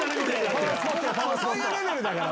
そういうレベルだから。